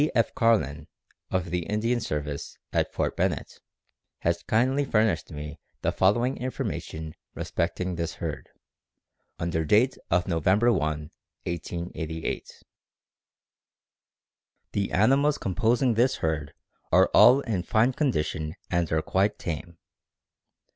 D. F. Carlin, of the Indian service, at Fort Bennett, has kindly furnished me the following information respecting this herd, under date of November 1, 1888: "The animals composing this herd are all in fine condition and are quite tame.